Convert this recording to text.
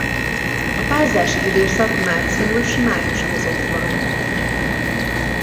A párzási időszak március–május között van.